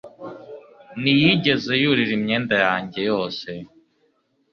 Ntiyigeze yurira imyenda yanjye yose